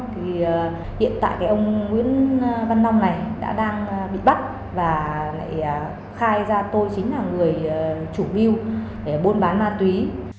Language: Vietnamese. thì hiện tại cái ông nguyễn văn nam này đã đang bị bắt và lại khai ra tôi chính là người chủ bưu để bôn bán ma túy